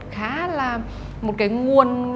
khá là một cái nguồn